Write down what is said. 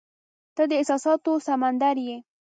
• ته د احساسونو سمندر یې.